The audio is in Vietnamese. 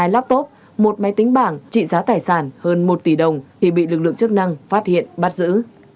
hai laptop một máy tính bảng trị giá tài sản hơn một tỷ đồng thì bị lực lượng chức năng phát hiện bắt giữ